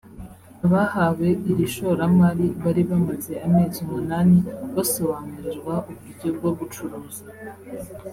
Abahawe iri shoramari bari bamaze amezi umunani basobanurirwa uburyo bwo gucuruza